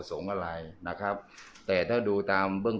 ตอนนี้ก็ไม่มีอัศวินทรีย์